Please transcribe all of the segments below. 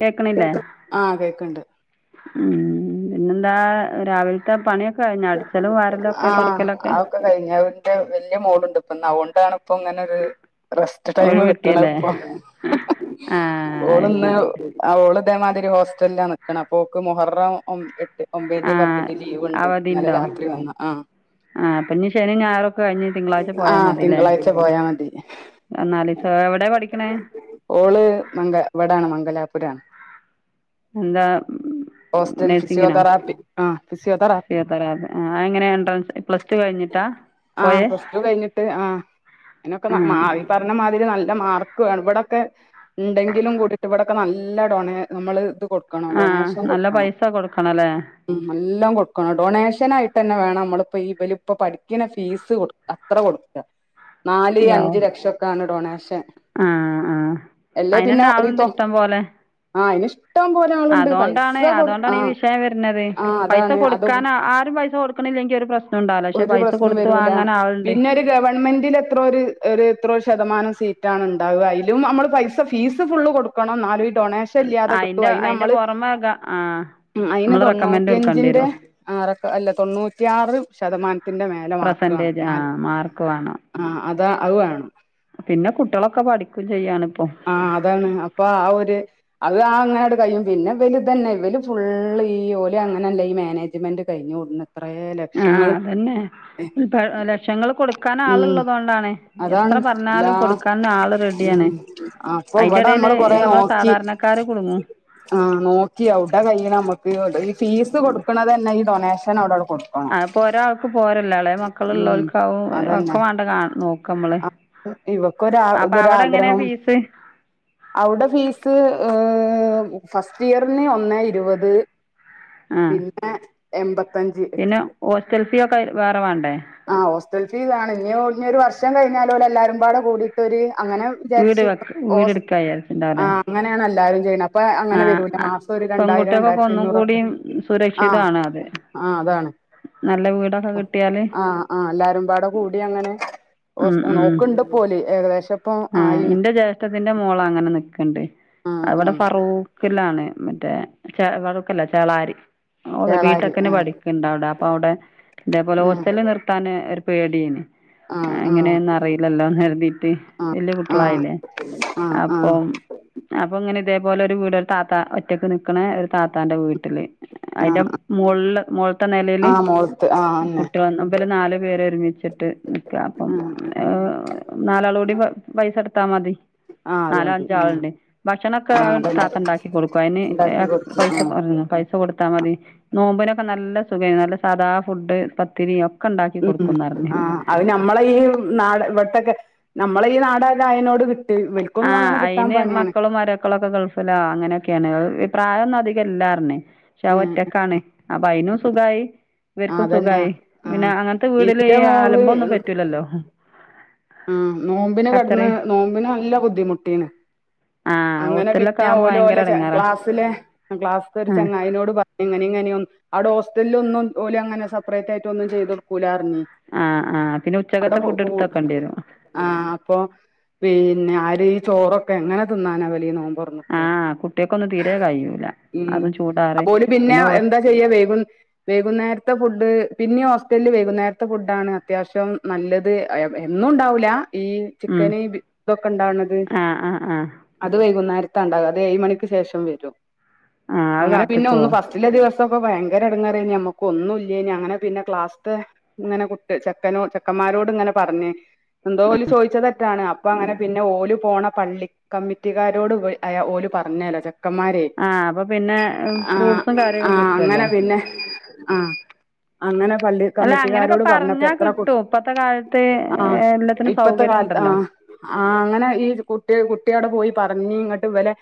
കേക്കണില്ലേ ആ കേക്കണ്ട്. ഉം പിന്നെന്താ രാവിലത്തെ പണിയൊക്കെ. കഴിഞ്ഞാ അടിച്ചലും വാരലും ഒക്കെ തുറക്കലൊക്കെ പ്പേ വലിയ മോളുണ്ട് ഇപ്പതുകൊണ്ടാണ് ഇപ്പൊ ഇങ്ങനെരു റെസ്റ്റ് ടൈം ഒഴിവ് കിട്ടണ കിട്ടിയല്ലേ ഇപ്പൊ ആഹ് ഓള് അത് ഇന്ന് ശരി ആ ഓള് അതേമാതിരി ഹോസ്റ്റലിലാ നിക്കണേ അപ്പോ ഓക്ക് മുഹറം ഓമ്പ് എട്ട് ഒമ്പതിന്റിം ആഹ് പത്തിന്റിം ലീവ്ണ്ട്. ന്നലെ രാത്രി വന്ന ആഹ് ആ ഇപ്പം ശനി ഞായറൊക്കെ കഴിഞ്ഞ് തിങ്കളാഴ്ച പോയാ ആഹ് മതില്ലേ?. തിങ്കളാഴ്ച പോയാ മതി എന്നാലി സ എവിടെയാ പഠിക്കണേ? ഓള് മംഗ ഇവിടാണ് മംഗലാപുരാണ്. എന്താ ഹോസ്റ്റൽഫിഷിയോ നഴ്സിങ്ങിനോ തറാപ്പി മ് ഫിസിയോ തെറാപ്പി ആന്ന് എങ്ങനെയാ എൻട്രൻസ് പ്ലസ് റ്റുകഴിഞ്ഞിട്ടാ ആഹ് പോയേ പ്ലസ് ടു കഴിഞ്ഞിട്ട് ആഹ് അതിനൊക്കെ നാ മാ ആഹ് ഇപ്പറിഞ്ഞ മാതി ആയിന് നല്ല മാർക്ക് വേണം ഇടെക്കെ ഉണ്ടെങ്കിലും കൂട്ടിട്ട് ഇവിടെക്കെ നല്ല ഡോണേ നമ്മള് ത് കൊടുക്കണം ആഹ് ഡൊണേഷം നല്ല കൊടുക്കണം പൈസ കൊടുക്കണല്ലേ ഉം നല്ലൊകൊടുക്കണം ഡോൺസ യായിട്ട് തന്നെ വേണം നമ്മളിപ്പോ ഇബ ലിപം പഠിക്കണ ഫീസ് കൊടുക്ക അത്ര കൊടുക്ക നാല് യോ അഞ്ച് ലക്ഷംക്കാണ് ഡൊണേഷൻ. ആഹ് ആഹ് അല്ലേ പിന്നെ അയിനന്നെ ആളുണ്ട് ഒരീത്തം ആ ഇപ്പ ശ അതൊണ്ടാണ് അതൊണ്ടാണ് ഈ ആഹ് വിഷയം വരുനത്. ആഹ് പൈസ അതാണ് അതും കൊടുക്കാന് ആരും പൈസ കൊടുക് ക്ക്ണില്ലെങ്കി ഒരു പ്ര ഒരു പ്രശ്നം വരൂല. പിന്നെ ഒരു ഗവൺമെന്റിൽ എത്രോരു ഒരു എത്രോ ശതമാനം സീറ്റാണ് ഉണ്ടാവുക. അതിലും നമ്മള് പൈസ ഫീസ് ഫുള്ള് കൊടുക്കണം ന്നാലും ഡൊണേഷൻ ഇല്ലാതെ അയിന്റെ കിട്ടും അയിന്റെ അയിനമ്മള് പുറമെ ഗ ആഹ് മ് അയിന് നമ്മള് റെക്കമെന്റ് കൊടുക്കേണ്ടി തൊണ്ണൂറ്റിയഞ്ചിന്റെ വരും ആറക്കെ അല്ല തൊണ്ണൂറ്റിയാറ് ശതമാനം. ത്തിന്റെ മേലെ മാർക്ക് വേണം പെർസെന്റേജ് ആഹ് മാർക്ക് വേണം ആ അത അത് വേണം പിന്നെ കുട്ടികളൊക്കെ പഠിക്കും ചെയ്യാണിപ്പോ ആഹ് അതാണ് അപ്പ ആ ഒര്.. അത് ആ അങ്ങട് കഴിയും പിന്നെ പിന്നെ തന്നെ ഇവല് ഫുള്ള് ഈ ഓലെ അങ്ങനെല്ല ഈ മാനേജ്മെന്റ് കഴിഞ്ഞു.. ഒന്നെത്രേലെ ആഹ് അതന്നെ ത ലക്ഷങ്ങള് കൊടുക്കാൻ ഉം ആൾള്ളതുകൊണ്ടാണ്. അതാണ് എത്ര എല്ലാ പറഞ്ഞാലും കൊടുക്കാൻ ആള് റെഡി ആ ഉം യാണ് അപ്പൊ ഇവിടെ അയിന്റെടേല് നമ്മള് കൊറെ നമ്മളെ നോക്കി സാധാരണക്കാര് കുടുങ്ങും ആഹ് നോക്കിയവിടെ കയ്യിണമ്മക്ക് ഈ ഫീസ് കൊടുക്കണതന്നെ ഈ ഡൊണേഷൻ അവിടട് കൊടുക്കും ആപ്പോ ഒരാൾക്ക് പോരല്ലോ? എളെ മക്കള് ഉം ഇള്ളോൽക്കാവും അതന്നെ ഒക്കെ വേണ്ട കാ നോക്ക നമ്മള് ഇവക്കൊരാ അപ്പൊ അവിടെ എങ്ങനെ ഇതൊരാഗ്രഹം ഫീസ് അവിടെ ഫീസ് ഏ ഫസ്റ്റ് ഇയറിന് ഒന്നേ ഇരുപത് ആഹ് പിന്നെ എൺമ്പത്തഞ്ച് പിന്നെ വച്ചിട്ട് ഹോസ്റ്റൽ ഫീ ഒക്കെ വേറെ വാണ്ടേ ആഹ് ഹോസ്റ്റൽ ഫീസാണ് ഇഞ്ഞി ഇഞ്ഞൊരു വർഷം കഴിഞ്ഞാല് ഓലെല്ലാരുംമ്പാടെ കൂടീട്ടൊരി അങ്ങനെ വീട് വിചാരിച്ച് വെക്ക വീട് എടുക്കാ ആ വിചാരിച്ചിണ്ടാവുല്ലേ [unintelligible] അങ്ങനെയാണ് എല്ലാരും ചെയ്യുന്നത് അപ്പോ അങ്ങനെ വരൂല ആഹ് മാസ രണ്ടായിരം പെൺകുട്ടികൾക്കൊക്കെ രണ്ടായിരത്തി ഒന്നും അഞ്ഞൂറൊക്കെ കൂടിയും ആഹ് സുരക്ഷിതാണ് അത് ആ അതാണ് നല്ല വീടൊക്കെ കിട്ടിയാല് ആഹ് ആഹ് എല്ലാരുമ്പാടെ കൂടി അങ്ങനെ ഉം ഉം നോക്കണ്ടപ്പോല് ഏകദേശം ഇപ്പൊ ആഹ് ആയിണ് ഇന്റെ ജ്യേഷ്ഠത്തിന്റെ മോള് അങ്ങനെ നിക്ക്ണ്ട് ആ ആ അവിടെ ഫറൂകിലാണ് മറ്റേ ഫാറൂക്കല്ല ചെളാരി ഓൾ ചേളാരി ബിടെക്കിന് ആ പഠിക്കിണ്ട് അവിടെ അപ്പൊ അവിടെ ഇതേപോലെ ആ ഹോസ്റ്റലിൽ നിർത്താൻഒര് പേടിയ്നിം ആ ആ അങ്ങനെന്നും അറീല്ലല്ലോന്ന് കരതീട്ട് വല്യ ആ കുട്ടളായില്ലേ ആ ആ അപ്പം അപ്പൊ അങ്ങനെ ഇതേപോലെ ഒരു വീട് ഒരു താത്ത ഒറ്റക്ക് നിക്കണേ ഒരു താത്താന്റെ വീട്ടില് ആ അതിന്റെ മോള് തെ നെലേൽ ആ മോള്ത്ത് ആ അന്നെ കുട്ടേൾ ഇവര് നാല്പേര് ഒരുമിച്ചിട്ട് നിക്ക അപ്പം ആ ആ നാലാളൂടി പൈസെടുത്താ മതി ആ അത് നാലോ മതി അഞ്ചോ ആ ആളുണ്ട് ഭക്ഷണൊക്കെ ആഹ് അതന്നെ താത്ത ഉണ്ടാക്കി കൊടുക്കും അതിന് ഉണ്ടാക്കി കൊടുക്കും പൈസ ആഹ് പൈസ കൊട് കൊടുത്താമതി നോമ്പിനൊക്കെ നല്ല സഖയ്നു നല്ല സാദാ ഫുഡ് പത്തിരി ഒ ഉം ആ അത് നമമ്മളെ ഈ നാ ഇവ്ട്ത്തൊക്കെ നമ്മളെ ഈ നാടായിനെകൊണ്ട് കിട്ട ആ അയിന് മക്കളും മരിക്കളും ഒക്കെ ഗൾഫിലാ അങ്ങനെയൊക്കെയാണ് പ്രായൊന്നും അധികം ഇല്ലാർഞ് പക്ഷെ അത് ഉം ഒറ്റക്കാണ് അപ്പൊ അയിനും സുഖായി ഇവർക്കും അതന്നെയാ സുഖായി പിന്നെ ആഹ് അങ്ങനത്തെ വീടില് ഈ ഇന്റെ അലമ്പൊന്നും പറ്റൂലല്ലോ മ്മ് നോമ്പിന് ഖത്തറ് കെടന്ന് നോമ്പിനല്ല ബുന്ധിമുട്ടായിനിം ആഹ് അങ്ങനെ ഹോസ്റ്റലിലൊക്കെ പിന്നെ ആവുമ്പോ ഓൽ ഭയങ്കര ഓലെ ചെ എടങ്ങേറാ ക്ലാസ്സിലെ ക്ലാസ്ത്തെ ഒരു ആഹ് ചെങ്ങായിനോട് പറഞ് ഇങ്ങനെ ഇങ്ങനെയൊന്ന് അവിടെ ഹോസ്റ്റലൊന്നും ഓലങ്ങനെ സപറേറ്റായിട്ട് ഒന്നും ചെയ്ത് കൊടുക്കൂലാ പറഞ്ഞ് ആ ആ പിന്നെ ഉച്ചക്കത്തെ ഫുഡ് ഇട്തെക്കേണ്ടിവരും ആഹ അപ്പൊ പിന്നെ ആര് ഈ ചോറൊക്കെ എങ്ങനെ തിന്നാനാ ഇവലീ നോമ്പറന്നിട്ട് ആഹ് കുട്ടികക്കൊന്നും തീരെ കഴിയൂല ഉം അതും ചൂടാറി അപ്പോൽ പിന്നെ ഹോസ് എന്താ ചെയ്യാ വൈകും വൈകുന്നേ നേരത്തെ ഫുഡ് പിന്നിം ഹോസ്റ്റൽ വൈകുന്നേരത്തെ ഫുഡാണ് അത്യാവശ്യം നല്ലത് ആ എന്നുണ്ടാവൂല ഈ ഉം ചിക്കന്, ബി തൊക്കെ ണ്ടാണത് ആഹ് ആഹ് ആഹ് അത് വൈകുന്നേര ത്താണ്ടാവ അത് ഏഴ് മണിക്ക് ശേഷം വരും. ആഹ് അത് അങ്ങനെ പിന്നെ കാത്ത്ക്കോ ഒന്ന് ഫസ്റ്റിലെ ദിവസ പ്പപ്പോ ഭയങ്കരെടങ്ങേറായിനിം നമ്മക്കും ഒന്നുല്ല്യനിം അങ്ങനെ പിന്നെ ക്‌ളാസ്സ്തേ ഇങ്ങനെ കുട്ടി ചെക്കനോ ചെക്ക മാരോടിങ്ങനെ പറഞ്ഞ് ന്തോഓല് ചോയ്ച തെറ്റാണ് അപ്പങ്ങനെ പിന്നെ ഓല് പോണ പള്ളി കമ്മിറ്റിക്കാരോട് എവൽ ഓല് പറഞ്ഞേലോ ചെ ക്കന്മാരെ ആഹ് അപ്പൊ പിന്നെ ആ ഫ്രൂട്ട്സും ആ കാര്യൊക്കെ അങ്ങനെ കിട്ടുവല്ലോ പിന്നെ ആഹ് അങ്ങനെ പള്ളി അല്ല അങ്ങനൊക്കെ കമ്മിറ്റിക്കാരോട് പറഞ്ഞപ്പോ പറഞ്ഞാ എത്ര കു കിട്ടും ഇപ്പത്തെ കാലത്ത് ആ എല്ലാത്തിനും ഇപ്പത്തെ സൗകര്യം കാലത്ത് ആ ഉണ്ടല്ലോ ആ അങ്ങനെ ഈ കുട്ടി കുട്ടി അവിടെ പോയി പറഞ്ഞ് ഇങ്ങട്ട് ഇവലെ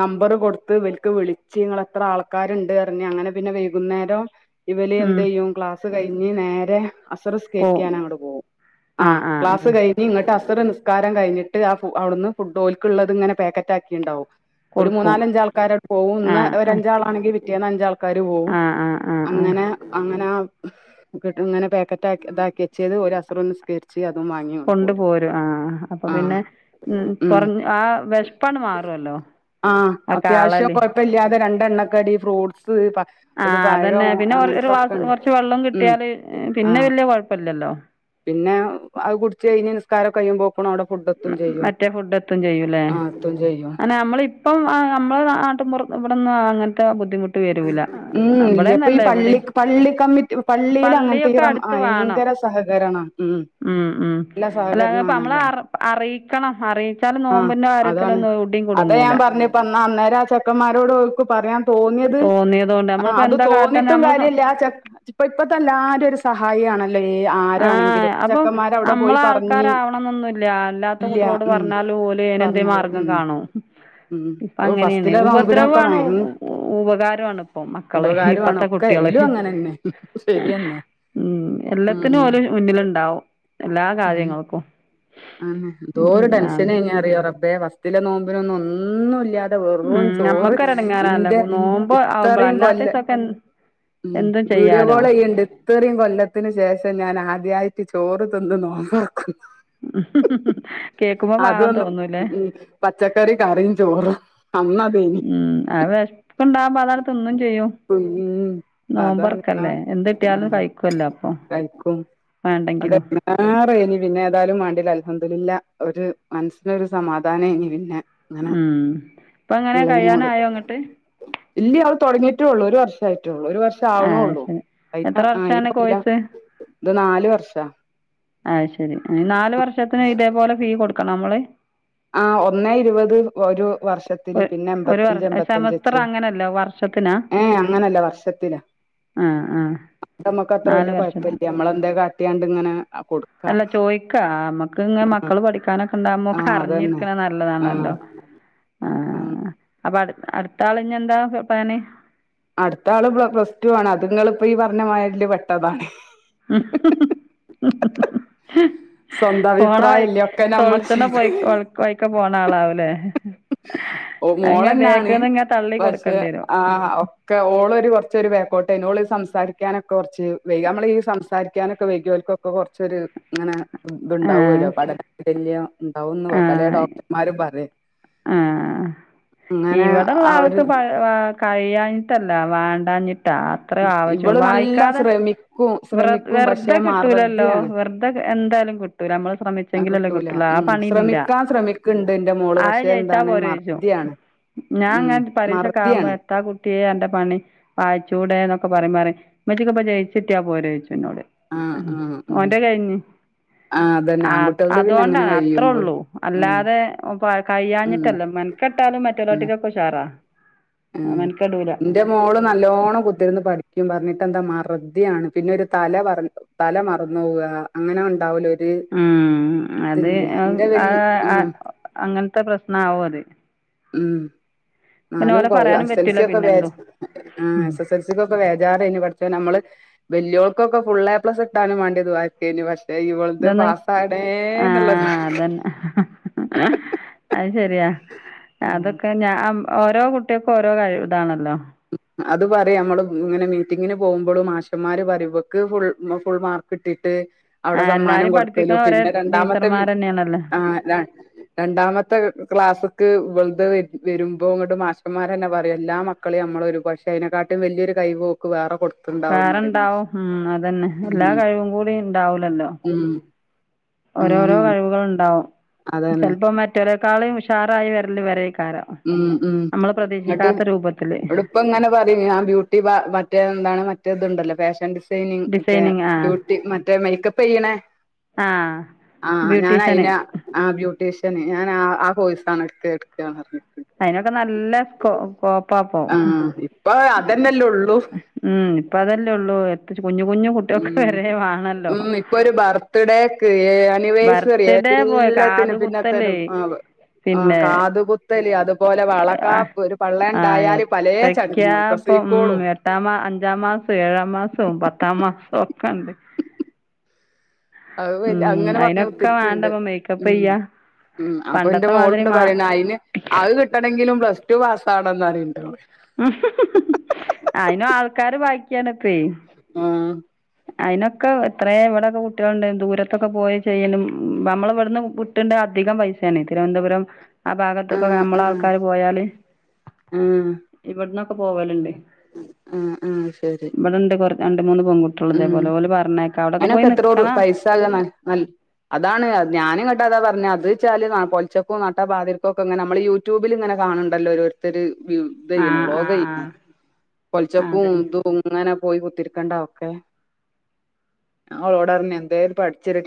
നമ്പർ കൊടുത്ത് ഇവൽക്ക് വിളിച്ച് ഇങ്ങൾ എത്ര ആൾക്കാരുണ്ട്ന്ന്പറഞ്ഞ് അങ്ങനെ പിന്നെ വൈകുന്നേരം ഇവൽ ഉം എന്തെയ്യും ക്ലാസ് കഴിഞ്ഞ് നേരെ അസർ പോവും നിസ്കരിക്കാൻ അങ്ങട്ട് പോകും ആ ആഹ് ആഹ് ക്ലാസ് ആഹ് കഴിഞ്ഞ് ഇങ്ങട്ട് അസ റ് നിസ്കാരം കഴിഞ്ഞിട്ട് അവിടുന്ന് ഫുഡ് ഓൽക്കുള്ളത് ഇങ്ങനെ പാക്കറ്റാക്കിണ്ടാവും ഒരു കൊടുക്കും മൂന്നാലഞ്ച് ആൾക്കാര ട് പോകും ഇന്ന് ആഹ് ഒരു ആഹ് അഞ്ചാളാണെങ്കി പിറ്റേന്ന് അഞ്ചാൾ ക്കാരുപോവും ആഹ് ആഹ് ആഹ് ആഹ് അങ്ങനെ അങ്ങനെ ആ [unintelligible] പാകറ്റാക്കി താക്കിവെച്ചത് ഓല് അസറും നിസ്കരിച്ച് അതും വാങ്ങി ഇങ്ങട് കൊണ്ടു പോരും ആഹ്, അപ്പൊ ആഹ് പിന്നെ ഉം കൊറഞ്ഞ ആ വിശപ്പട് മാറോ ലോ ആഹ് അത്യാവശ്യം കൊഴപ്പല്ല്യാതെ രണ്ട് എണ്ണക്കടി ഫ്രൂട്ട്സ് സ് പ ഒരു ആഹ് അതന്നെ പഴം പിന്നെ ഒര് ഒരു ഗ്ലാസ് അങ്ങൻത്തൊക്കെ ഉണ്ട് കൊറച്ച് വെള്ളം ഉം കിട്ടിയാല് പിന്നെ ആഹ് വല്യ കൊഴപ്പല്ലല്ലോ പിന്നെ അത് കുടിച്ച് കഴിഞ്ഞ് നിസ്കാരം കഴിയുമ്പോ ഉം മറ്റേ ഫുഡെത്തും ചെയ്യു ലേ ആഹ് എത്തും ചെയ്യും അനാ അമ്മളിപ്പം ആ നമ്മള നാട്ട്മ്പൊറം ഇവടൊന്ന് അങ്ങനത്തെ ബുദ്ധ് ഉം ഇല്ല്യ ഇപ്പ ഈ എവിടിം പള്ളിക്ക് പള്ളി കമ്മിറ്റ് പള്ളീല് അങ്ങൻത്തെ ഈ പള്ളിയൊക്കെ റം അടുത്ത് വേണം അയങ്ക ര സഹകരണാ ഉം ഉം ഉം നല്ല അല്ലാതപ്പം അമ്മള സഹകരണാണല്ലോ അർ അറിയിക്കണം അറിയി ആഹ് അതാണ് അതെ ഞാൻ പറഞ്ഞപ്പം അന്നാ അന്നേരാ ചെക്കമ്മാരോട് ഓൽക്ക് പറയാൻ തോന്നിയത് തോന്നിയതോണ്ട് ആഹ് നമ്മളിപ്പോ അത് എന്താ കാട്ടന്നെ തോന്നീട്ടും നമ്മള് സ്വ കാര്യല്ലാ ആ ചെക്ക് ഇപ്പ ഇപ്പത്ത എല്ലാരും ഒരു സഹായിയാണ ആഹ് അപ്പൊ അവിടെ നമ്മള പോയി പറഞ്ഞ് ആൾക്കാരാവണംന്നൊന്നുല്ല്യാ അല്ലാത്ത ഇല്ല കുട്ട്യളോട് ഉം പറഞ്ഞാലും ഓൽ പേനന്തേ പറഞ്ഞത് മാർഗം ഉം കാണും ഉം ഓ ഇപ്പങ്ങനേണ് ഫസ്റ്റിലെ നോമ്പിനൊക്കെ ഉപദ്രവാണ് ഭയ ഉ ഉ ഉ ഉ ഉപകാരുംആണ് ഇപ്പൊ മക്കള് ഉപകാരമാണ് ഇപ്പത്തെ ഒക്കെ കുട്ടി എല്ലും അങ്ങനന്നെ ശരിയന്നെ ഉം എല്ലത്തിനും ഉം ഓല് മുന്നില്ണ്ടാവും എല്ലാ ഉം കാര്യങ്ങൾക്കും ആന്നെ എന്തോരു ഉം ആണ് ടെൻഷനേനിന്നറിയോ റബ്ബേ ഫസ്റ്റിലെ നോമ്പിനൊന്നും ഒന്നുല്ല്യാ തെ വെറൂം ഉം ചോറ് ഞമ്മക്കൊരു എടങ്ങേറാല്ലേ ഇന്റെ നോമ്പ് ആവുമ്പളാ ഇത്തറീം കൊല്ല അല്ലാത്തീസൊക്കെ ഉം എന്തും വീഡിയോ ചെയ്യാലോ കോളെയ്യണ്ട് ഇത്തറീം കൊല്ലത്തിന് ശേഷം ഞാനാദ് ദ്യായിട്ട് ചോറ് തിന്ന് നോമ്പൊറക്കുന്നു കേക്കുമ്പോ പാവം അതൊന്ന് തോന്നൂലേ ഉം പച്ചക്കറി കറീം ചോറും അന്നതേനി ഉം അഅ് വെശപ്പ്ണ്ടാവുമ്പ അതാണ്ട് തിന്നും ചെയ്യും ഉം അതാണ് ആ നോമ്പൊറക്കല്ലേ എന്ത് കിട്ടിയാലും കഴിക്കുവല്ലോ അപ്പൊ വേണ്ടെങ്കിലും [unintelligible] പിന്നേതായാലും മാണ്ടില്ല അൽഹം ദുലില്ല ഒരു മനസ്സിനൊരു സമാധാനേയ്നി പിന്നെ അങ്ങനെ ഉം ഇപ്പങ്ങനെ ഇള്ളയിനോട് കഴിയാനായോ ഇങ്ങട്ട് ഇല്ല്യ അത് തൊടങ്ങീ റ്റൊള്ളൂ ഒരു വർഷം ആയിറ്റൊള്ളൂ ഒരു വർഷം ആവണോ ആഹ് ഒള്ളൂ ശരി എത്ര വർഷാണ് കോഴ്സ് [unintelligible] ഇത് നാലു വർഷാ അഅ് ശരി നാലു വർഷത്തിനും ഇതേപോലെ ഫീ കൊടുക്കണൊ അമ്മള് ആഹ് ഒന്നേ ഇരുവത് ഒരു വർഷത്തില് ഒ പിന്നെ ഒരു വർ എമ്പത്തഞ്ച് എമ്പത്തഞ്ച് സെമസ്റ്റർ വെച്ച് അങ്ങനല്ല വർഷത്തിനാ ഏഹ് അങ്ങനല്ല വർഷത് ത്തിലാ. ആഹ് ആഹ് [unintelligible] നമ്മക്കത്ര നാല് വല്യ വർഷത്തിന് കൊഴപ്പല്ല്യ. നമ്മളെന്തേ കാട്ടിയാണ്ടിങ്ങനെ അല്ല ചോയിക്കാ. മ്മക്കിങ്ങനെ മക്കള് പഠിക്കാനൊക്കെ ആ ഇണ്ടാവുമ്പോക്കെറി അതന്നെ ഞ്ഞിരിക്കണ ആ നല്ലതാണല്ലോ. ആ ആഹ് അപ്പ അടുത്ത് അടുത്താളിഞ്ഞിയെന്താ പ്ലാന്? അടുത്താള് പ്ല പ്ലസ് ടു ആണ്. അത്ങ്ങളീപ്പറഞ്ഞ മാരില് പെട്ടതാണേ. സ്വന്തം പോണവഴി അഭിപ്രായല്ലേ ഒക്കെ നമ്മൾ തൊളിച്ചണ്ണ പോയി ചെയ്ത് [unintelligible] വഴിക്ക് പോണാളാവൂലേ? അയിങ്ങെന ബേക്ക്ന്നിങ്ങാട്ട പക്ഷേ ആഹ് ഒക്കെ ഓളൊരു കൊറച്ചൊരു ബേക്കോട്ടായ്നു. ഓള് സംസാരിക്കാനൊക്കെ കൊറച്ച് വെയ്ക. നമ്മള് ഈ സംസാരിക്കാനൊക്കെ വൈകിയോൽക്കൊക്ക കൊറച്ചൊരു ഇങ്ങനെ ആഹ് തുണ്ടാവുവല്ലോ. പഠന വൈകല്യം ഇണ്ടാവുന്ന് പലേ ആഹ് ഡോക്ടർമാരും പറയും. ആഹ് അങ്ങനെ ഇവിടൊള്ള ആൾക്ക് അവര് പഴ്, ആഹ് കഴിയാഞ്ഞി ട്ടല്ല. വാണ്ടാഞ്ഞിട് ട്ടാ. അത്രേ ആവശ്യം ഇവള് നല്ല വായിക്കാതെ ശ്രമിക്കും വ്രത് ശ്രമിക്കും വെർതെ പക്ഷെ കിട്ടൂലല്ലോ മറതിയാണ് വെർതെ എന്തായാലും കിട്ടൂല. നമ്മള് ശ്രമിച്ചെങ്കിലല്ലേ കിട്ടൂല കിട്ടുള്ളൂ. ആ ഉം പണിയില്ല. ശ്രമിക്കാൻ ശ്രമിക്കണ്ട് എന്റെ മോള് അയ് പക്ഷെ ജയിച്ചാ എന്താണ് പോരേ ചോയ്ച്ചും. മറതിയാണ് ഞാൻ ഉം എങ്ങാൻ പരീക്ഷെക്കാവുമ്പ മറതിയാണ് എത്താ കുട്ടി ട്ടീ അന്റെ പണി വായിച്ചൂടേന്നൊക്ക പറയുമ്പറയും ഉമ്മച്ചിക്കിപ്പ ജയിച്ചിട്ടിയാ പോരേയ്ച്ചും. എന്നോട് ആ അഹ് ആ ഉം ഓന്റെ കഴിഞ്ഞ്. ആ അതന്നെ ആഹ് ആൺകുട്ടികൾത് പിന്നെ അങ്ങനെ അതോണ്ടാണ് അത്ര കഴിയുമ്പോ ഒള്ളൂ ഉം അല്ലാതെ ഒപ് പ ഉം കഴിയാഞ്ഞിട്ടല്ല മെൻക്കെട്ടാലും ഉം മറ്റോരാട്ടിലൊക്ക ഉഷാറാ. ഉം മെനക്കെടൂല ഇന്റ മോള് നല്ലോണം കുത്തിരുന്ന് പഠിക്കും പറഞ്ഞിട്ട് എന്താ മാർ ശ്രദ്ധയാണ്. പിന്നെ ഒരു തല പർ തല മറന്നോവ. അങ്ങനെ ഉണ്ടാവല് ഉം. അത് ആഹ് [unintelligible] അങ്ങനത്തെ പ്രശ്ണാവു അത്. ഉം. പിന്നെ നാലും ഓലെ കൊ പറയാനും എസ് എൽ സി പറ്റൂല ഒക്കെ ബാച് പിന്നെന്തും ആഹ് ഉം എസ് എസ് എൽ സി കൊക്കെ ബേജാറ് എയ്നു പട്ച്ചോ ഞമ്മള് വല്യോയോക് കൊക്ക് ഫുള്ള് എ പ്ലസ് കിട്ടാനും വേണ്ടി ദുആ ചെയ്യേനു. പക്ഷെ ഇവളത് ഇതൊന്ന്. പാസ്സാകണേ എന്നുള്ളത് ആഹ് അതന്നെ ശെരിയാ. ഉം അതൊക്കെ ഞാ ഓരോ കുട്ടികൾക്കും ഓരോ കഴി ഇതാണല്ലോ. അത് പറയാ അമ്മള് ഇങ്ങനെ മീറ്റിങ്ങിന് പോവുമ്പളും മാഷമാര് പറിം ഇവക്ക് ഫുൾ ഫുൾ മാർക്ക് കിട്ടിട്ട് അവിടെ ആഹ് സമ്മാനം എല്ലാരും പഠിപ്പിക്കണ കൊടുക്കലും ഒരേ പിന്നെ രണ്ടാമത്തെ മീ ടീച്ചർമാരന്നെയാണല്ലോ ആഹ് ര രണ്ടാമത്തെ ക്ലാസ് ക്ക് ഇവൾത് വരുമ്പോ ഇങ്ങട്ട് മാഷമാരന്നെ പറയും എല്ലാ മക് മക്കളിം അമ്മൾ ഒരു പക്ഷെ അയിനേകാട്ടിം വല്യയൊരു കഴിവ് ഓക്ക് വേറെ കൊടുക് വേറെണ്ടാവും. ഉം അതന്നെ എല്ലാ ഉം കഴിവും കൂടി ഉണ്ടാവൂലല്ലോ. ഉം ഓരോരോ അങ്ങനെയാണ് കഴിവുകൾ ഉണ്ടാവും. അതന്നെ. ഇവരേക്കാളീം ഉഷാറായി വര്ല്ല് ഇവരേ ഉം ഉം ങ്ങട്ട് രൂപത്തില് ഇവള് ഇപ്പങ്ങനെ പറിം ഞാൻ ബ്യൂട്ടി ബ മറ്റേ എന്താണ് മറ്റേതുണ്ടല്ലോ ഫാഷൻ ഡിസ ഡൈനി മറ്റേ ഡിസൈനിങ് ആഹ് ബ്യൂട്ടി മറ്റേ മേക്കപ്പ് ചെയ്യണേ ആഹ് ആ. ഞാൻ ബ്യൂട്ടീഷ്യന് അയിന ആ ബ്യൂട്ടീഷൻ ഞാൻ ആ കോയിസ് ആണ് എടുക്ക എടുക്ക ന്നർഞ്ഞ അയിതിനൊക്കെ നല്ല സ്കോ കോപ്പാ പോ. ആഹ് ഇപ്പൊ അതന്നെല്ലേ ഉള്ളൂ ഉം ഇപ്പൊ അതല്ലേ ഒള്ളൂ. കുഞ്ഞു കുഞ്ഞു കുട്ടിയാക്ക് ഉം വരെ വാണല്ലോ. ഉം ഇപ്പൊ ഒരു ബർത്ത്ഡേക്ക് ആനിവേഴ്സറി ബർത്ത്ഡേ പോയ കാത് എല്ലാത്തിനും പിന്നെ കുത്തല് തരും ആഹ് ആഹ് പിന്നെ കാത് കുത്തല് അതുപോലെ വളക്കാപ്പ് ഒരു പള്ള ആ ഉണ്ടായാല് പലേ യെത്തക്കയാ ചടങ്ങും ഇപ്പ ഉം. പ്രസവിക്കോളും എട്ടാ അഞ്ചാം മാസം ഏഴാം മാസവും പത്താം മാസം ഒക്കെണ്ട്. അത് വല് അങ്ങനെ പറഞ്ഞ അയിനൊക്കെ കുത്തിര്ക്ക്ണ്ട്. വേണ്ടപ്പ മേക്കപ്പ് ഉം. ചെയ്യാ ഉം. അപ്പൊ എന്റെ പണ്ടത്തെ മാതിരി മോള്ണ്ട് മാ പറയണു അതിന് അത് കിട്ടണെങ്കിലും പ്ലസ്ടു പാസ് ആവണംന്ന് പറയ്ണ്ട്. ഉം. ഉം. അയിനും ആൾക്കാര് ബാക്കിയാണ്പ്പേയ്. ആ. അതിനൊക്കെ എത്രയേ എവിടെയൊക്കെ കുട്ടികളുണ്ട്. ദൂരത്തൊക്കെ പോയി ചെയ്യലും. നമ്മളൾ ഇവിടുന്ന് വിട്ടിട്ട്ണ്ട് അധികം പൈസാണ്. തിരുവനന്തപുരം ആ ഭാഗത്തൊക്കെ ആഹ് നമ്മളെ ആൾക്കാര് പോയാല് ആ. ഇവിടന്നൊക്കെ പോവലുണ്ട് ആ ആ. ശരി. ഇവിടെണ്ട് കൊറ രണ്ട് മൂന്ന് പെൺുട്ടികള് ഇതേപോലെ ഓല് പറഞ്ഞ് അനൊക്കെ എത്ര പൈസ ആകും. അതാണ് ഞാനും ങ്ങട്ടതാ പറഞ്ഞ പർഞ്ഞെ അത് പൊൽച്ചക്കും നട്ട പാതിര്ക്കൊക്കെങ്ങനെ നമ്മള് യൂട്യൂബിൽ ങ്ങനെ കാണണ്ട ല്ലോ ഓരോരുത്തർ ഇത് ചെയ്യണ് ആഹ് ആഹ് വ്ലോകയ്യ്ണ്. ആഹ് പൊൽച്ചക്കും അതന്നെ ഇതും ഇങ്ങനെ പോയി കുത്തിരിക്കേണ്ടാവും ഞാൻ ഓളോടർഞ്ഞ് എന്തേലും പഠിച്ച് ഒര് ടീ